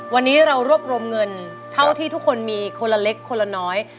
วันนี้เรารวบรวมเงินเท่าที่ทุกคนมีคนละเล็กคนละน้อย